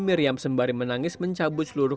miriam sembari menangis mencabut seluruh